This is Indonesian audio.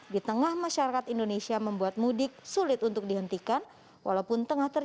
di tengah masyarakat indonesia membuat mudik sulit untuk dihapus